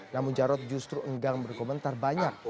namun jarod justru enggan berkomentar banyak